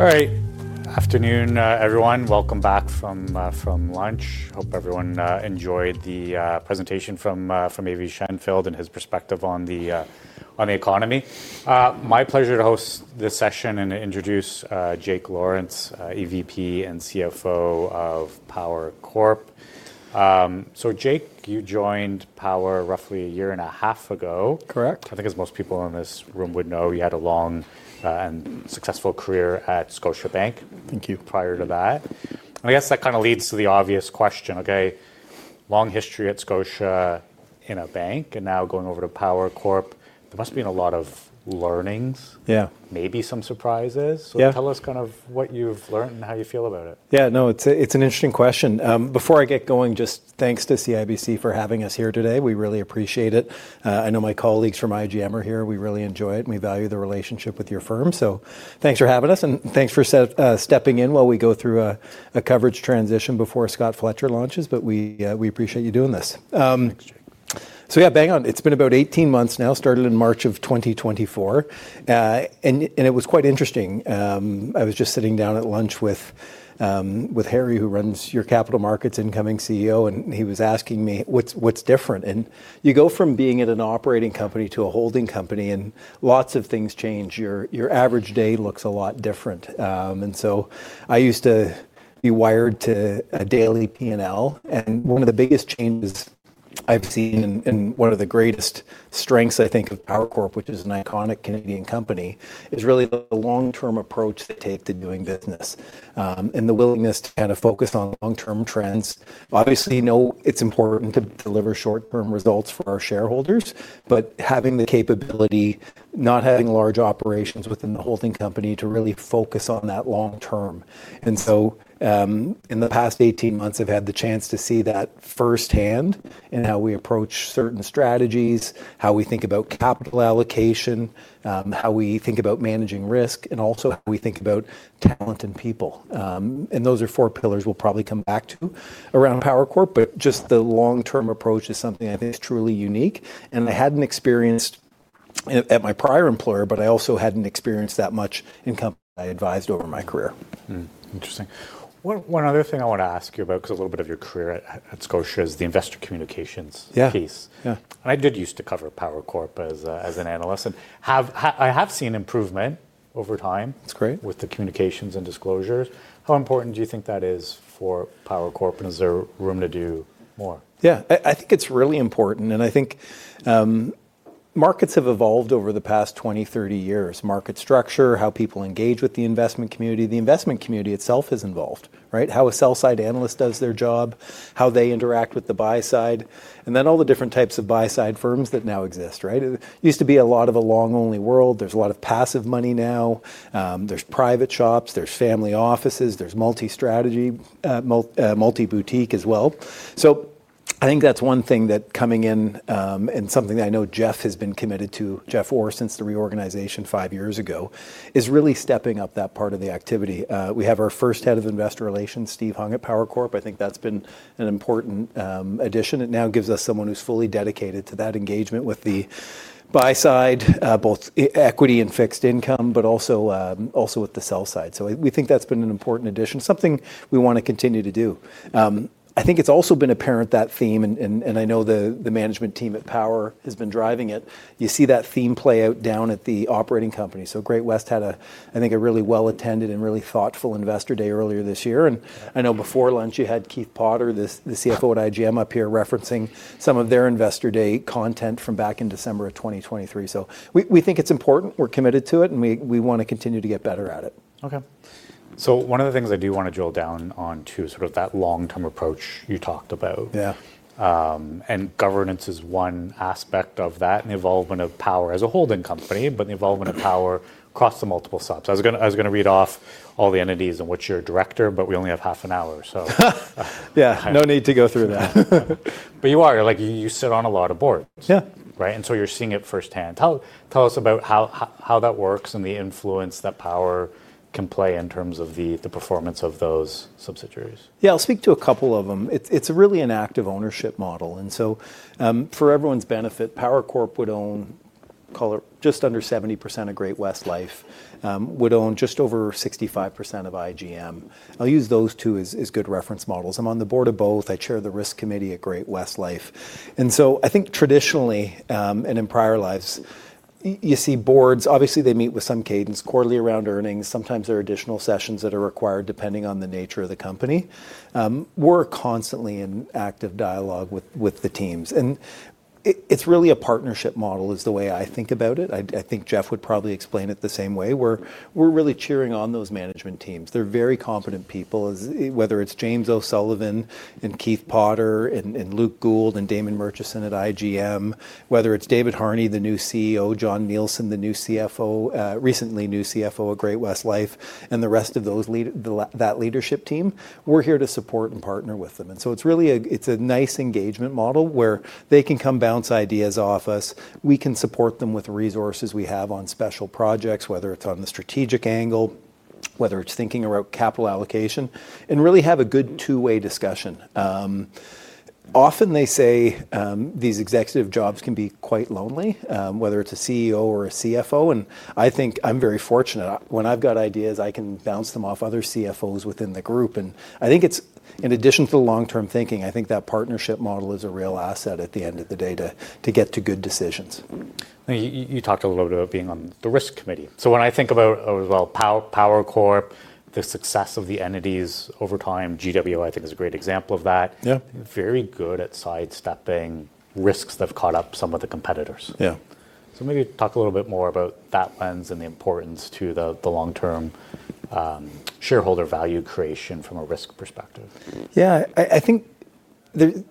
All right, afternoon, everyone. Welcome back from lunch. Hope everyone enjoyed the presentation from Avi Scheinfeld and his perspective on the economy. My pleasure to host this session and introduce Jake Lawrence, EVP and CFO of Power Corporation of Canada. Jake, you joined Power roughly a year and a half ago. Correct. I think as most people in this room would know, you had a long and successful career at Scotiabank. Thank you. Prior to that, I guess that kind of leads to the obvious question. Okay, long history at Scotiabank in a bank and now going over to Power Corporation of Canada. There must have been a lot of learnings. Yeah. Maybe some surprises. Yeah. Tell us kind of what you've learned and how you feel about it. Yeah, no, it's an interesting question. Before I get going, just thanks to CIBC for having us here today. We really appreciate it. I know my colleagues from IGM are here. We really enjoy it and we value the relationship with your firm. Thanks for having us and thanks for stepping in while we go through a coverage transition before Scott Fletcher launches, but we appreciate you doing this. Yeah, bang on. It's been about 18 months now, started in March of 2024. It was quite interesting. I was just sitting down at lunch with Harry, who runs your Capital Markets Incoming CEO, and he was asking me, what's different? You go from being in an operating company to a holding company, and lots of things change. Your average day looks a lot different. I used to be wired to a daily P&L, and one of the biggest changes I've seen and one of the greatest strengths, I think, of Power Corporation of Canada, which is an iconic Canadian company, is really the long-term approach they take to doing business and the willingness to focus on long-term trends. Obviously, you know it's important to deliver short-term results for our shareholders, but having the capability, not having large operations within the holding company, to really focus on that long term. In the past 18 months, I've had the chance to see that firsthand in how we approach certain strategies, how we think about capital allocation, how we think about managing risk, and also how we think about talent and people. Those are four pillars we'll probably come back to around Power Corporation of Canada, but just the long-term approach is something I think is truly unique. I hadn't experienced that at my prior employer, but I also hadn't experienced that much in companies I advised over my career. Interesting. One other thing I want to ask you about, because a little bit of your career at Scotiabank is the investor communications piece. Yeah. I did used to cover Power Corporation of Canada as an adolescent. I have seen improvement over time. That's great. With the communications and disclosures, how important do you think that is for Power Corporation of Canada, and is there room to do more? Yeah, I think it's really important, and I think markets have evolved over the past 20, 30 years. Market structure, how people engage with the investment community, the investment community itself is involved, right? How a sell-side analyst does their job, how they interact with the buy-side, and then all the different types of buy-side firms that now exist, right? It used to be a lot of a long-only world. There's a lot of passive money now. There's private shops, there's family offices, there's multi-strategy, multi-boutique as well. I think that's one thing that coming in, and something that I know Jeff has been committed to, Jeff Orr, since the reorganization five years ago, is really stepping up that part of the activity. We have our first Head of Investor Relations, Steve Hung, at Power Corporation of Canada. I think that's been an important addition. It now gives us someone who's fully dedicated to that engagement with the buy-side, both equity and fixed income, but also with the sell-side. We think that's been an important addition, something we want to continue to do. I think it's also been apparent, that theme, and I know the management team at Power has been driving it. You see that theme play out down at the operating company. Great-West Lifeco had a, I think, a really well-attended and really thoughtful investor day earlier this year. I know before lunch you had Keith Potter, the CFO at IGM Financial, up here referencing some of their investor day content from back in December of 2023. We think it's important. We're committed to it, and we want to continue to get better at it. Okay. One of the things I do want to drill down on too is sort of that long-term approach you talked about. Yeah. Governance is one aspect of that and the involvement of Power Corporation of Canada as a holding company, but the involvement of Power across the multiple subsidiaries. I was going to read off all the entities in which you're a director, but we only have half an hour, so. Yeah, no need to go through that. You sit on a lot of boards. Yeah. Right? You're seeing it firsthand. Tell us about how that works and the influence that Power can play in terms of the performance of those subsidiaries. Yeah, I'll speak to a couple of them. It's really an active ownership model. For everyone's benefit, Power Corporation of Canada would own, call it just under 70% of Great-West Lifeco, would own just over 65% of IGM Financial. I'll use those two as good reference models. I'm on the board of both. I chair the Risk Committee at Great-West Lifeco. I think traditionally, and in prior lives, you see boards, obviously they meet with some cadence quarterly around earnings. Sometimes there are additional sessions that are required depending on the nature of the company. We're constantly in active dialogue with the teams. It's really a partnership model is the way I think about it. I think Jeff would probably explain it the same way. We're really cheering on those management teams. They're very competent people, whether it's James O'Sullivan and Keith Potter and Luke Gould and Damon Murchison at IGM Financial, whether it's David Harney, the new CEO, John Nielsen, the new CFO, recently new CFO at Great-West Lifeco, and the rest of that leadership team. We're here to support and partner with them. It's really a nice engagement model where they can come bounce ideas off us. We can support them with resources we have on special projects, whether it's on the strategic angle, whether it's thinking about capital allocation, and really have a good two-way discussion. Often they say these executive jobs can be quite lonely, whether it's a CEO or a CFO. I think I'm very fortunate. When I've got ideas, I can bounce them off other CFOs within the group. I think it's, in addition to the long-term thinking, that partnership model is a real asset at the end of the day to get to good decisions. You talked a little bit about being on the risk committee. When I think about Power Corporation of Canada, the success of the entities over time, Great-West Lifeco, I think, is a great example of that. Yeah. Very good at sidestepping risks that have caught up some of the competitors. Yeah. Maybe talk a little bit more about that lens and the importance to the long-term shareholder value creation from a risk perspective. Yeah, I think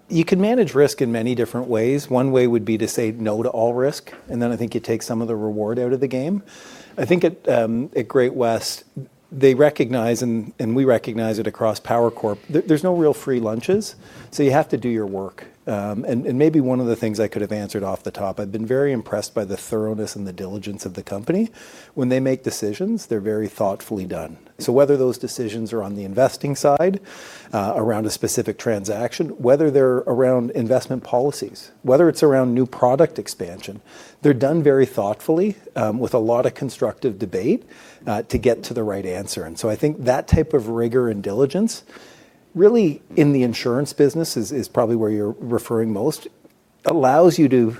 you can manage risk in many different ways. One way would be to say no to all risk, and I think it takes some of the reward out of the game. I think at Great-West Lifeco, they recognize, and we recognize it across Power Corporation of Canada, there's no real free lunches. You have to do your work. Maybe one of the things I could have answered off the top, I've been very impressed by the thoroughness and the diligence of the company. When they make decisions, they're very thoughtfully done. Whether those decisions are on the investing side, around a specific transaction, whether they're around investment policies, whether it's around new product expansion, they're done very thoughtfully with a lot of constructive debate to get to the right answer. I think that type of rigor and diligence, really in the insurance business, is probably where you're referring most, allows you to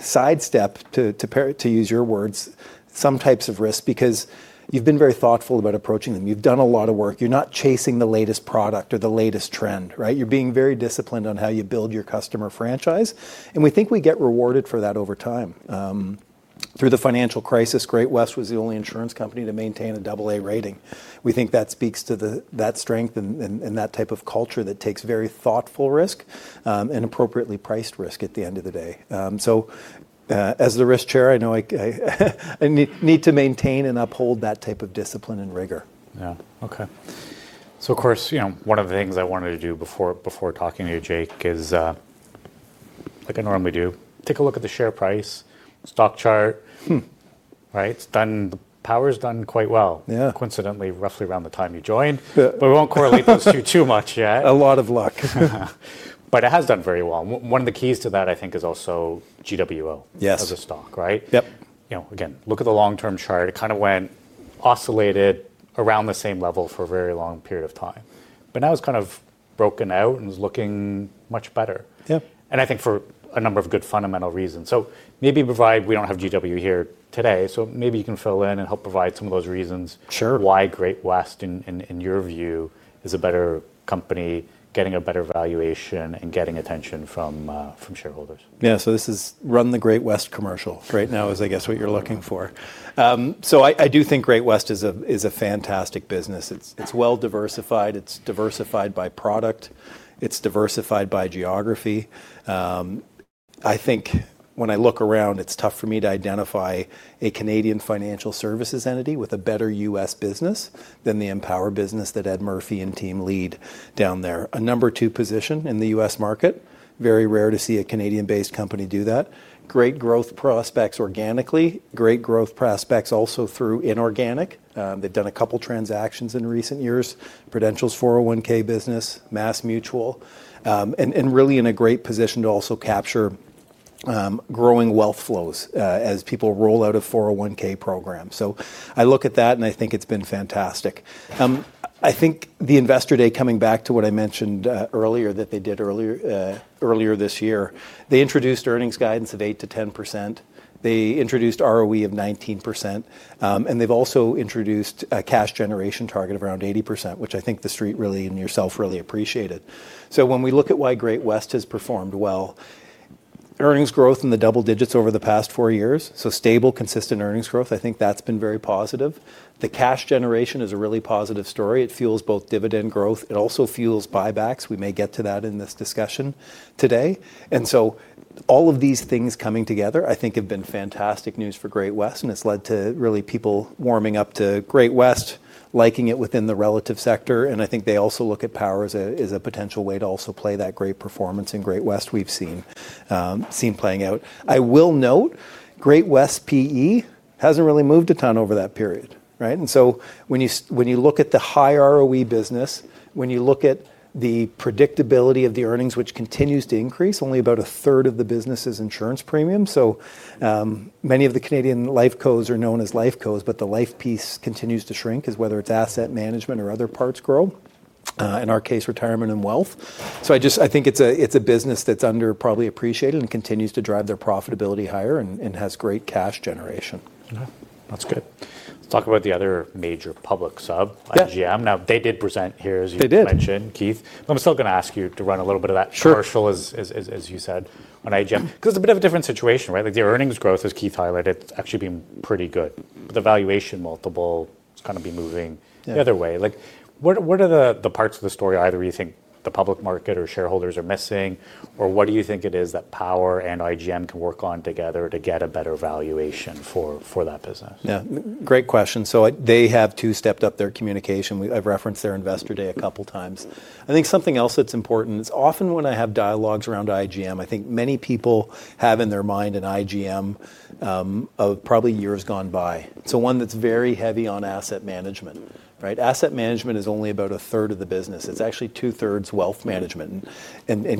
sidestep, to use your words, some types of risk because you've been very thoughtful about approaching them. You've done a lot of work. You're not chasing the latest product or the latest trend, right? You're being very disciplined on how you build your customer franchise. We think we get rewarded for that over time. Through the financial crisis, Great-West Lifeco was the only insurance company to maintain a AA rating. We think that speaks to that strength and that type of culture that takes very thoughtful risk and appropriately priced risk at the end of the day. As the risk chair, I know I need to maintain and uphold that type of discipline and rigor. Yeah, okay. Of course, you know, one of the things I wanted to do before talking to you, Jake, is like I normally do, take a look at the share price, stock chart, right? It's done. Power's done quite well. Yeah. Coincidentally, roughly around the time you joined. Yeah. We won't correlate those two too much yet. A lot of luck. It has done very well. One of the keys to that, I think, is also Great-West Lifeco. Yes. As a stock, right? Yep. You know, again, look at the long-term chart. It kind of went, oscillated around the same level for a very long period of time. Now it's kind of broken out and is looking much better. Yep. I think for a number of good fundamental reasons. Maybe provide, we don't have Great-West Lifeco here today, so maybe you can fill in and help provide some of those reasons. Sure. Why Great-West Lifeco, in your view, is a better company, getting a better valuation, and getting attention from shareholders. Yeah, so this is run the Great-West commercial. Right now is, I guess, what you're looking for. I do think Great-West is a fantastic business. It's well diversified. It's diversified by product. It's diversified by geography. I think when I look around, it's tough for me to identify a Canadian financial services entity with a better U.S. business than the Empower business that Ed Murphy and team lead down there. A number two position in the U.S. market. Very rare to see a Canadian-based company do that. Great growth prospects organically, great growth prospects also through inorganic. They've done a couple transactions in recent years, Prudential's 401(k) business, MassMutual, and really in a great position to also capture growing wealth flows as people roll out a 401(k) program. I look at that and I think it's been fantastic. I think the investor day, coming back to what I mentioned earlier, that they did earlier this year, they introduced earnings guidance of 8% to 10%. They introduced ROE of 19%. They've also introduced a cash generation target of around 80%, which I think the street really, and yourself really appreciated. When we look at why Great-West has performed well, earnings growth in the double digits over the past four years, so stable, consistent earnings growth, I think that's been very positive. The cash generation is a really positive story. It fuels both dividend growth. It also fuels buybacks. We may get to that in this discussion today. All of these things coming together, I think, have been fantastic news for Great-West, and it's led to really people warming up to Great-West, liking it within the relative sector. I think they also look at Power as a potential way to also play that great performance in Great-West we've seen playing out. I will note Great-West PE hasn't really moved a ton over that period, right? When you look at the high ROE business, when you look at the predictability of the earnings, which continues to increase, only about a third of the business is insurance premium. Many of the Canadian life cos are known as life cos, but the life piece continues to shrink, as whether it's asset management or other parts grow, in our case, retirement and wealth. I think it's a business that's under probably appreciated and continues to drive their profitability higher and has great cash generation. Yeah, that's good. Let's talk about the other major public sub, IGM. Now they did present here, as you mentioned, Keith. They did. I'm still going to ask you to run a little bit of that commercial, as you said, on IGM, because it's a bit of a different situation, right? Like the earnings growth, as Keith highlighted, it's actually been pretty good. The valuation multiple is going to be moving the other way. What are the parts of the story either you think the public market or shareholders are missing, or what do you think it is that Power and IGM can work on together to get a better valuation for that business? Yeah, great question. They have too stepped up their communication. I've referenced their investor day a couple times. I think something else that's important is often when I have dialogues around IGM, I think many people have in their mind an IGM of probably years gone by. One that's very heavy on asset management, right? Asset management is only about a third of the business. It's actually two-thirds wealth management.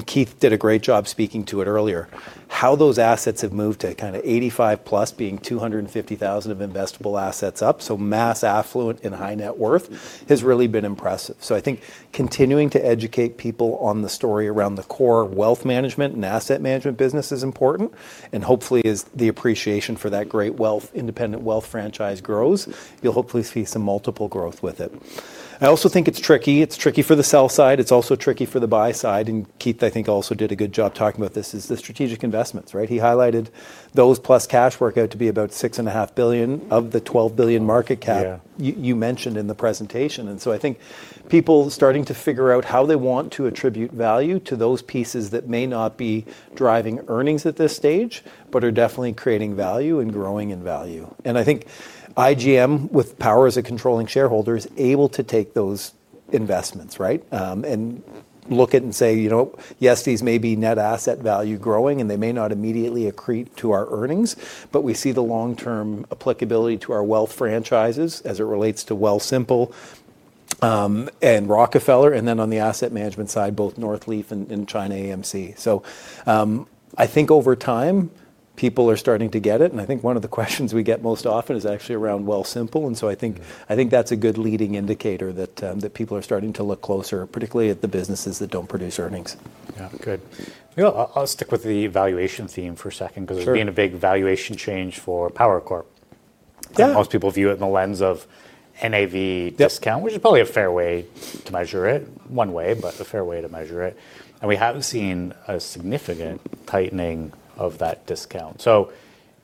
Keith did a great job speaking to it earlier. How those assets have moved to kind of 85% plus being $250,000 of investable assets up, so mass affluent and high net worth, has really been impressive. I think continuing to educate people on the story around the core wealth management and asset management business is important. Hopefully, as the appreciation for that great wealth, independent wealth franchise grows, you'll hopefully see some multiple growth with it. I also think it's tricky. It's tricky for the sell side. It's also tricky for the buy side. Keith, I think, also did a good job talking about this is the strategic investments, right? He highlighted those plus cash work out to be about $6.5 billion of the $12 billion market cap you mentioned in the presentation. I think people starting to figure out how they want to attribute value to those pieces that may not be driving earnings at this stage, but are definitely creating value and growing in value. I think IGM, with Power as a controlling shareholder, is able to take those investments, right? Look at and say, you know, yes, these may be net asset value growing, and they may not immediately accrete to our earnings, but we see the long-term applicability to our wealth franchises as it relates to Wealthsimple and Rockefeller, and then on the asset management side, both Northleaf and China AMC. I think over time, people are starting to get it. One of the questions we get most often is actually around Wealthsimple. I think that's a good leading indicator that people are starting to look closer, particularly at the businesses that don't produce earnings. Yeah, good. I'll stick with the valuation theme for a second because there's been a big valuation change for Power Corporation of Canada. Yeah. Most people view it in the lens of NAV discount, which is probably a fair way to measure it, one way, but a fair way to measure it. We haven't seen a significant tightening of that discount.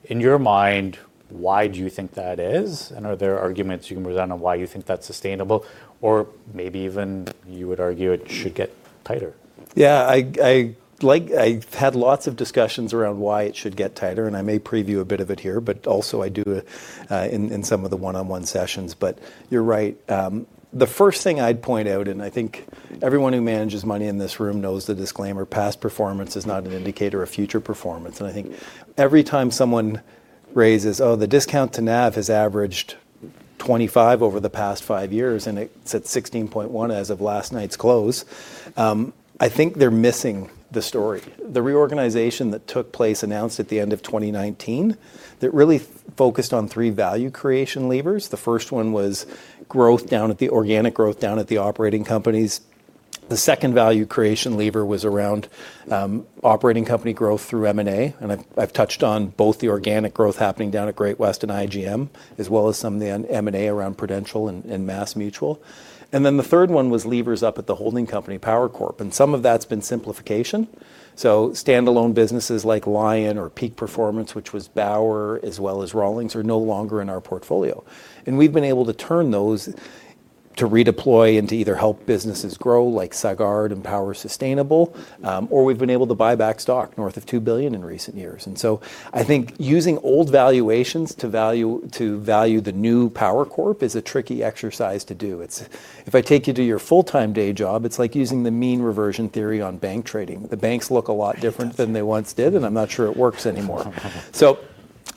In your mind, why do you think that is? Are there arguments you can present on why you think that's sustainable? Maybe even you would argue it should get tighter? Yeah, I've had lots of discussions around why it should get tighter, and I may preview a bit of it here, but also I do in some of the one-on-one sessions. You're right. The first thing I'd point out, and I think everyone who manages money in this room knows the disclaimer, past performance is not an indicator of future performance. Every time someone raises, oh, the discount to NAV has averaged 25% over the past five years, and it's at 16.1% as of last night's close, I think they're missing the story. The reorganization that took place announced at the end of 2019 really focused on three value creation levers. The first one was growth down at the organic growth down at the operating companies. The second value creation lever was around operating company growth through M&A. I've touched on both the organic growth happening down at Great-West Lifeco and IGM Financial, as well as some of the M&A around Prudential and MassMutual. The third one was levers up at the holding company, Power Corporation of Canada. Some of that's been simplification. Standalone businesses like Lion or Peak Performance, which was Bauer as well as Rawlings, are no longer in our portfolio. We've been able to turn those to redeploy and to either help businesses grow like Sagard and Power Sustainable, or we've been able to buy back stock north of $2 billion in recent years. I think using old valuations to value the new Power Corporation of Canada is a tricky exercise to do. If I take you to your full-time day job, it's like using the mean reversion theory on bank trading. The banks look a lot different than they once did, and I'm not sure it works anymore.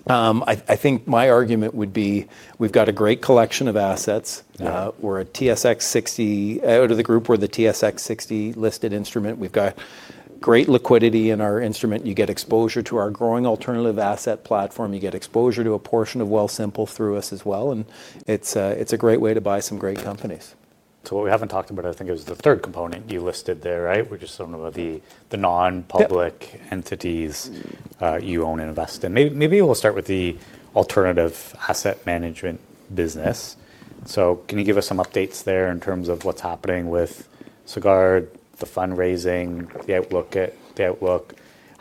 I think my argument would be we've got a great collection of assets. We're a TSX 60, out of the group, we're the TSX 60 listed instrument. We've got great liquidity in our instrument. You get exposure to our growing alternative asset platform. You get exposure to a portion of Wealthsimple through us as well. It's a great way to buy some great companies. What we haven't talked about, I think, is the third component you listed there, right? We just talked about the non-public entities you own and invest in. Maybe we'll start with the alternative asset management business. Can you give us some updates there in terms of what's happening with Sagard, the fundraising, the outlook?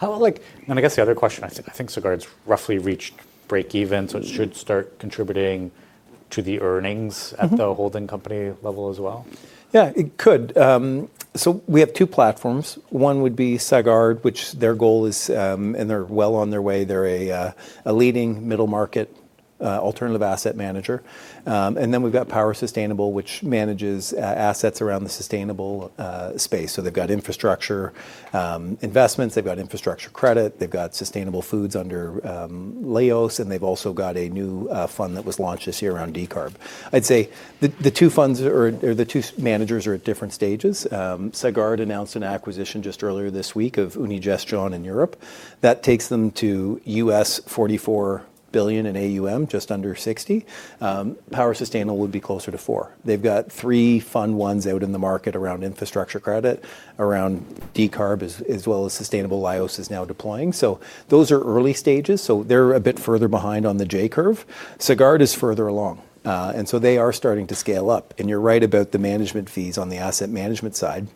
I guess the other question, I think Sagard's roughly reached breakeven, so it should start contributing to the earnings at the holding company level as well? Yeah, it could. We have two platforms. One would be Sagard, which their goal is, and they're well on their way. They're a leading middle market alternative asset manager. We've got Power Sustainable, which manages assets around the sustainable space. They've got infrastructure investments, they've got infrastructure credit, they've got sustainable foods under LEIOS, and they've also got a new fund that was launched this year around DCARB. I'd say the two funds or the two managers are at different stages. Sagard announced an acquisition just earlier this week of Unigestion in Europe. That takes them to $44 billion in AUM, just under $60 billion. Power Sustainable would be closer to $4 billion. They've got three fund ones out in the market around infrastructure credit, around DCARB, as well as sustainable LEIOS is now deploying. Those are early stages. They're a bit further behind on the J-curve. Sagard is further along. They are starting to scale up. You're right about the management fees on the asset management side.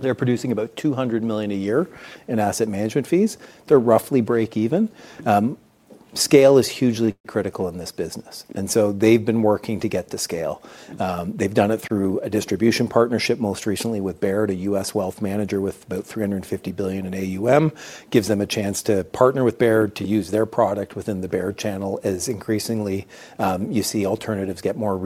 They're producing about $200 million a year in asset management fees. They're roughly breakeven. Scale is hugely critical in this business. They've been working to get to scale. They've done it through a distribution partnership most recently with Baird, a U.S. wealth manager with about $350 billion in AUM. It gives them a chance to partner with Baird to use their product within the Baird channel as increasingly you see alternatives get more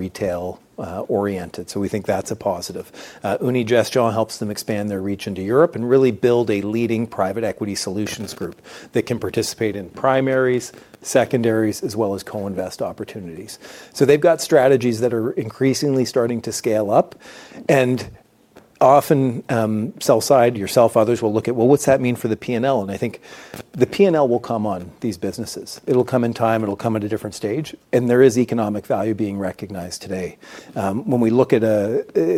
retail-oriented. We think that's a positive. Unigestion helps them expand their reach into Europe and really build a leading private equity solutions group that can participate in primaries, secondaries, as well as co-invest opportunities. They've got strategies that are increasingly starting to scale up. Often, sell-side, yourself, others will look at, well, what's that mean for the P&L? I think the P&L will come on these businesses. It'll come in time. It'll come at a different stage. There is economic value being recognized today. When we look at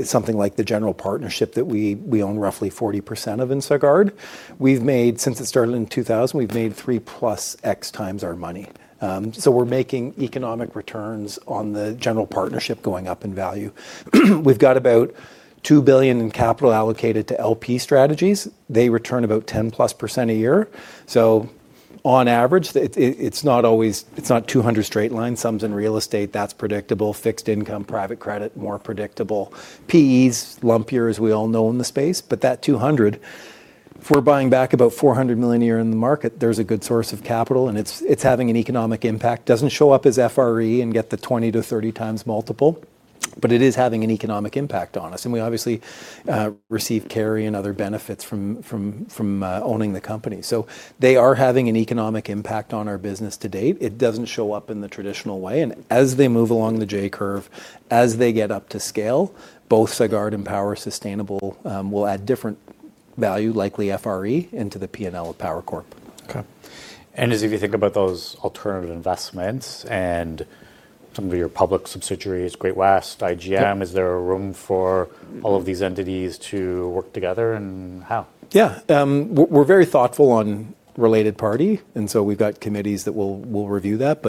something like the general partnership that we own roughly 40% of in Sagard, we've made, since it started in 2000, we've made three plus X times our money. We're making economic returns on the general partnership going up in value. We've got about $2 billion in capital allocated to LP strategies. They return about 10% a year. On average, it's not always, it's not $200 million straight lines. Some's in real estate, that's predictable. Fixed income, private credit, more predictable. PEs, lump years, we all know in the space. That $200, if we're buying back about $400 million a year in the market, there's a good source of capital, and it's having an economic impact. It doesn't show up as FRE and get the 20 to 30 times multiple, but it is having an economic impact on us. We obviously receive carry and other benefits from owning the company. They are having an economic impact on our business to date. It doesn't show up in the traditional way. As they move along the J-curve, as they get up to scale, both Sagard and Power Sustainable will add different value, likely FRE, into the P&L of Power Corporation of Canada. As you think about those alternative investments and some of your public subsidiaries, Great-West, IGM, is there room for all of these entities to work together and how? Yeah, we're very thoughtful on related party. We've got committees that will review that.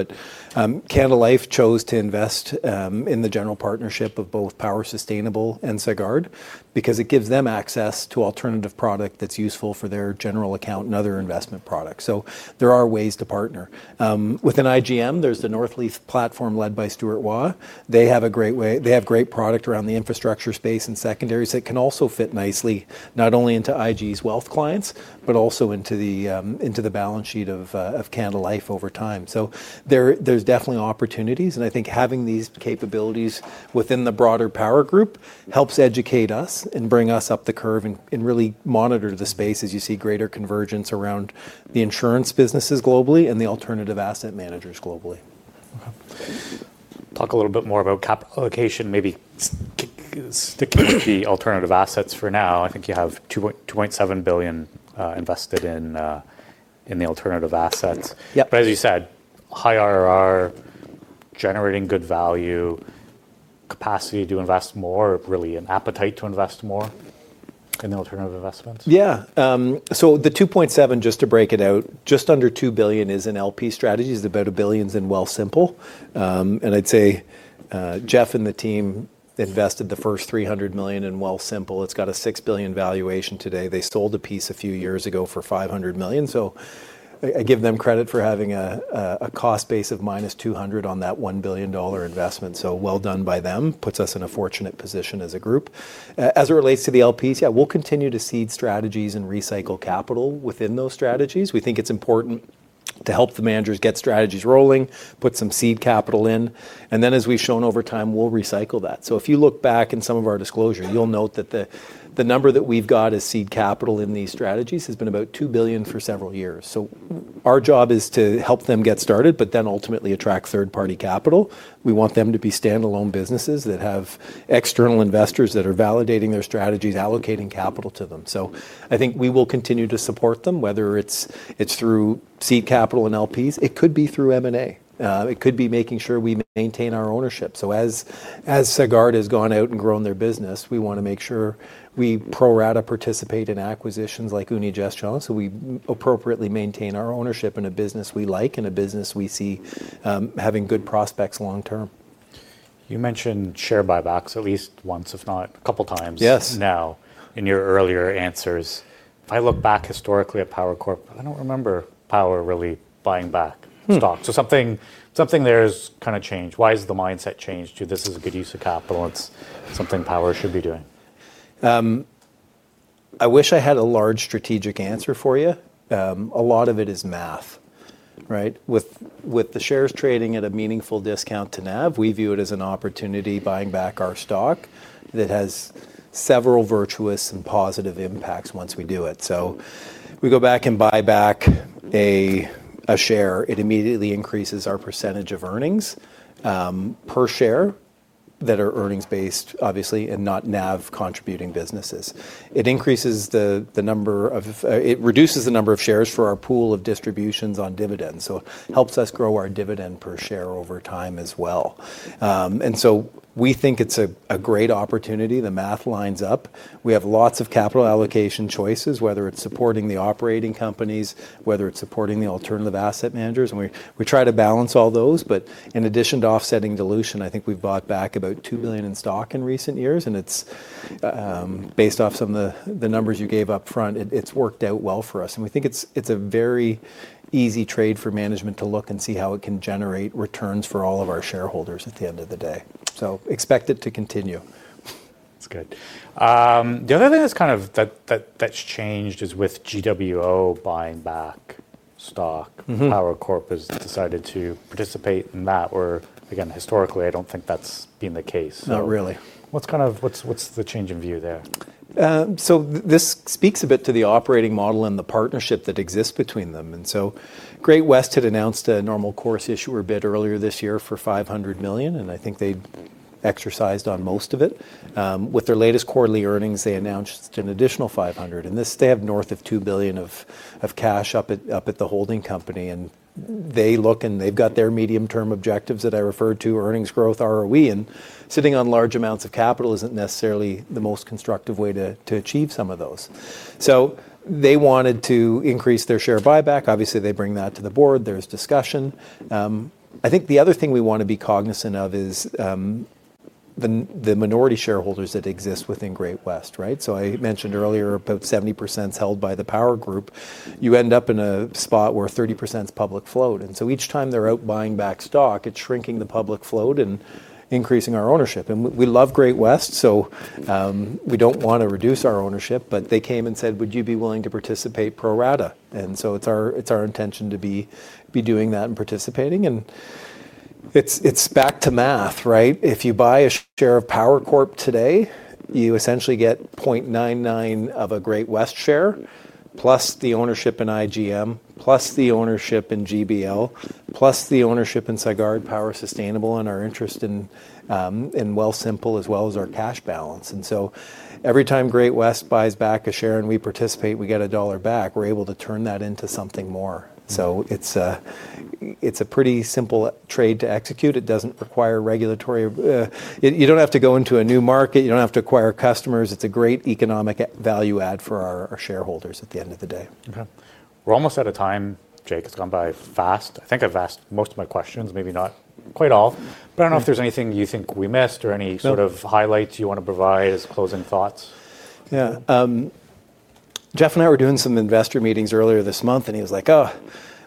Canada Life chose to invest in the general partnership of both Power Sustainable and Sagard because it gives them access to alternative product that's useful for their general account and other investment products. There are ways to partner. Within IGM, there's the Northleaf platform led by Stuart Waugh. They have a great way, they have great product around the infrastructure space and secondaries that can also fit nicely, not only into IG's wealth clients, but also into the balance sheet of Canada Life over time. There's definitely opportunities. I think having these capabilities within the broader Power Group helps educate us and bring us up the curve and really monitor the space as you see greater convergence around the insurance businesses globally and the alternative asset managers globally. Okay. Talk a little bit more about capital allocation, maybe stick with the alternative assets for now. I think you have $2.7 billion invested in the alternative assets. Yep. As you said, high ROE, generating good value, capacity to invest more, really an appetite to invest more in the alternative asset management investments. Yeah. So the $2.7 billion, just to break it out, just under $2 billion is in LP strategies, about $1 billion is in Wealthsimple. I'd say Jeff and the team invested the first $300 million in Wealthsimple. It's got a $6 billion valuation today. They sold a piece a few years ago for $500 million. I give them credit for having a cost base of minus $200 million on that $1 billion investment. Well done by them. Puts us in a fortunate position as a group. As it relates to the LPs, we will continue to seed strategies and recycle capital within those strategies. We think it's important to help the managers get strategies rolling, put some seed capital in, and then as we've shown over time, we'll recycle that. If you look back in some of our disclosure, you'll note that the number that we've got as seed capital in these strategies has been about $2 billion for several years. Our job is to help them get started, but then ultimately attract third-party capital. We want them to be standalone businesses that have external investors that are validating their strategies, allocating capital to them. I think we will continue to support them, whether it's through seed capital and LPs. It could be through M&A. It could be making sure we maintain our ownership. As Sagard has gone out and grown their business, we want to make sure we pro-rata participate in acquisitions like Unigestion, so we appropriately maintain our ownership in a business we like and a business we see having good prospects long term. You mentioned share buybacks at least once, if not a couple times now in your earlier answers. I look back historically at Power Corporation of Canada, I don't remember Power really buying back stock. Something there has kind of changed. Why has the mindset changed to this is a good use of capital? It's something Power should be doing. I wish I had a large strategic answer for you. A lot of it is math, right? With the shares trading at a meaningful discount to NAV, we view it as an opportunity buying back our stock that has several virtuous and positive impacts once we do it. We go back and buy back a share. It immediately increases our percentage of earnings per share that are earnings-based, obviously, and not NAV contributing businesses. It reduces the number of shares for our pool of distributions on dividends. It helps us grow our dividend per share over time as well. We think it's a great opportunity. The math lines up. We have lots of capital allocation choices, whether it's supporting the operating companies or supporting the alternative asset managers. We try to balance all those. In addition to offsetting dilution, I think we've bought back about $2 billion in stock in recent years. It's based off some of the numbers you gave up front. It's worked out well for us. We think it's a very easy trade for management to look and see how it can generate returns for all of our shareholders at the end of the day. Expect it to continue. That's good. The other thing that's kind of changed is with Great-West Lifeco buying back stock. Power Corporation of Canada has decided to participate in that, where again, historically, I don't think that's been the case. Not really. What's the change in view there? This speaks a bit to the operating model and the partnership that exists between them. Great-West Lifeco had announced a normal course issuer bid earlier this year for $500 million, and I think they exercised on most of it. With their latest quarterly earnings, they announced an additional $500 million. They have north of $2 billion of cash up at the holding company. They look, and they've got their medium-term objectives that I referred to, earnings growth, ROE. Sitting on large amounts of capital isn't necessarily the most constructive way to achieve some of those. They wanted to increase their share buyback. Obviously, they bring that to the board. There's discussion. The other thing we want to be cognizant of is the minority shareholders that exist within Great-West Lifeco, right? I mentioned earlier about 70% is held by the Power Corporation of Canada group. You end up in a spot where 30% is public float. Each time they're out buying back stock, it's shrinking the public float and increasing our ownership. We love Great-West Lifeco, so we don't want to reduce our ownership, but they came and said, would you be willing to participate pro-rata? It's our intention to be doing that and participating. It's back to math, right? If you buy a share of Power Corporation of Canada today, you essentially get 0.99 of a Great-West Lifeco share, plus the ownership in IGM Financial, plus the ownership in GBL, plus the ownership in Sagard, Power Sustainable, and our interest in Wealthsimple, as well as our cash balance. Every time Great-West Lifeco buys back a share and we participate, we get a dollar back. We're able to turn that into something more. It's a pretty simple trade to execute. It doesn't require regulatory, you don't have to go into a new market, you don't have to acquire customers. It's a great economic value add for our shareholders at the end of the day. Okay. We're almost out of time. Jake, has gone by fast. I think I've asked most of my questions, maybe not quite all, but I don't know if there's anything you think we missed or any sort of highlights you want to provide as closing thoughts. Yeah. Jeff and I were doing some investor meetings earlier this month, and he was like, oh,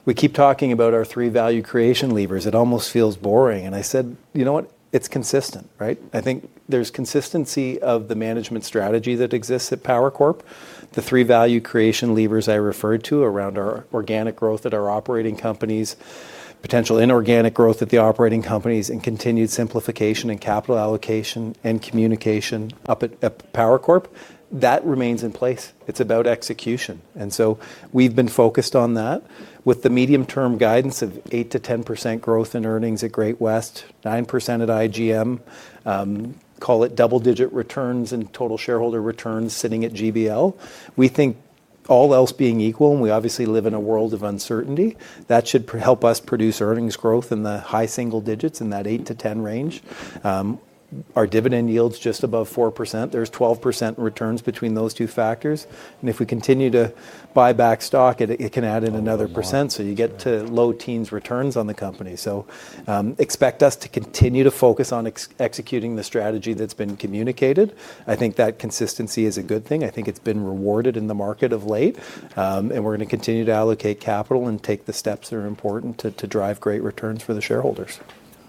we keep talking about our three value creation levers. It almost feels boring. I said, you know what? It's consistent, right? I think there's consistency of the management strategy that exists at Power Corporation of Canada. The three value creation levers I referred to are around our organic growth at our operating companies, potential inorganic growth at the operating companies, and continued simplification and capital allocation and communication up at Power Corporation of Canada. That remains in place. It's about execution. We've been focused on that with the medium-term guidance of 8% to 10% growth in earnings at Great-West Lifeco, 9% at IGM Financial, call it double-digit returns and total shareholder returns sitting at GBL. We think all else being equal, and we obviously live in a world of uncertainty, that should help us produce earnings growth in the high single digits in that 8% to 10% range. Our dividend yield's just above 4%. There's 12% in returns between those two factors. If we continue to buy back stock, it can add in another percent. You get to low teens returns on the company. Expect us to continue to focus on executing the strategy that's been communicated. I think that consistency is a good thing. I think it's been rewarded in the market of late. We're going to continue to allocate capital and take the steps that are important to drive great returns for the shareholders.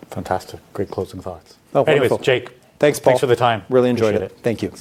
Fantastic. Great closing thoughts. Oh, thanks. Anyways, Jake. Thanks, Paul. Thanks for the time. Really enjoyed it. Thank you.